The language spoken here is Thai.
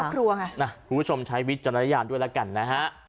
คุณผู้ชมใช้วิจารณญาณด้วยแล้วกันนะฮะ